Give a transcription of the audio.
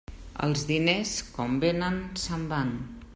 Els diners, com vénen, se'n van.